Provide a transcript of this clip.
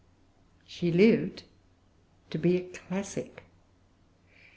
She lived to be a classic.